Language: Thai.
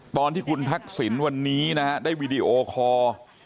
ตอนที่คุณทักษิณวันนี้นะฮะได้วีดีโอคอร์